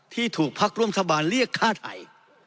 ที่ถูกพรรคร่วมทะบานเรียกค่าไทย